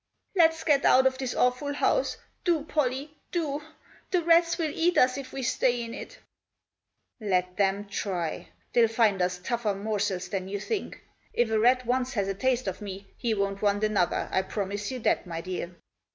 " Let's get out of this awful house. Do, Pollie, do ! The rats will eat us if we stay in it" "Let 'em try. They'll find us tougher morsels than you think. If a rat once has a taste of me he won't want another, I promise you that, my dear."